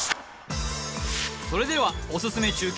それではおすすめ中継